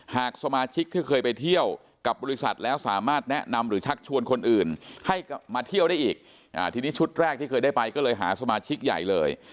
หากสมาชิกที่เคยไปเที่ยวกับบริษัทแล้วสามารถแนะนำหรือชักชวนคนอื่นให้มาเที่ยวได้อีกทีนี้ชุดแรกที่เคยได้ไปก็เลยหาสมาชิกใหญ่เลย